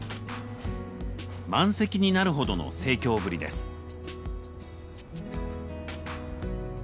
満席になるほどの盛況ぶりです。